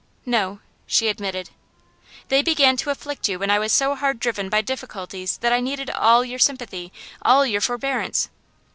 'No,' she admitted. 'They began to afflict you when I was so hard driven by difficulties that I needed all your sympathy, all your forbearance.